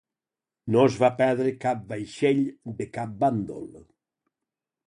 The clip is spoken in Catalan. No es va perdre cap vaixell de cap bàndol.